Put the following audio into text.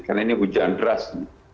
karena ini hujan deras